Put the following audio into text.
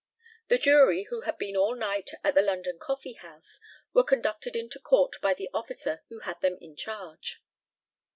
The Jury, who had been all night at the London Coffee house, were conducted into court by the officer who had them in charge.